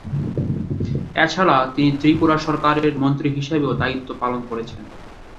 এছাড়া, তিনি ত্রিপুরা সরকারের মন্ত্রী হিসেবেও দায়িত্ব পালন করেছেন।